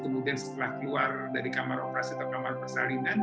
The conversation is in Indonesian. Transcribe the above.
kemudian setelah keluar dari kamar operasi atau kamar persalinan